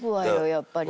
やっぱり。